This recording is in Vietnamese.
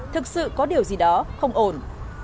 thực sự có điều gì đó không ổn